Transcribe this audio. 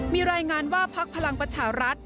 มีรายงานว่าพักพลังประชารัฐ